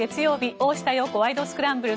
「大下容子ワイド！スクランブル」。